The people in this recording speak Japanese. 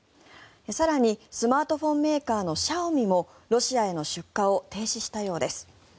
更にスマートフォンメーカーのシャオミもロシアへの出荷を停止したようです。